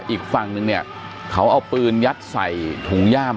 อีกฝั่งนึงเนี่ยเขาเอาปืนยัดใส่ถุงย่าม